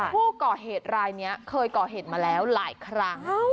ผู้ก่อเหตุรายนี้เคยก่อเหตุมาแล้วหลายครั้ง